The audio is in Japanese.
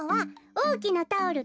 おおきなタオルと。